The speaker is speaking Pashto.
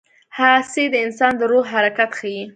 هڅې د انسان د روح حرکت ښيي.